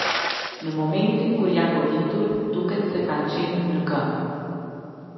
Në momentin kur janë goditur, duket se kanë qenë në këmbë.